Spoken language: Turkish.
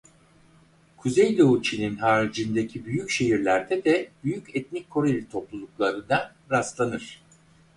Kuzeydoğu Çin'in haricindeki büyük şehirlerde de büyük etnik Koreli topluluklarına rastlanır.